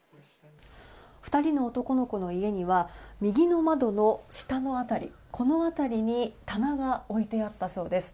２人の男の子の家には右の窓の下の辺りこの辺りに棚が置いてあったそうです。